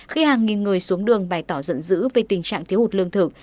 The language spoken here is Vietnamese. khi hàng nghìn người xuống đường bày tỏ giận dữ về tình trạng thiếu hụt lương thực